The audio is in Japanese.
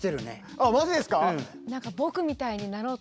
あっマジですか？